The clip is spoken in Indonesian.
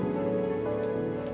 kamu betapa khusus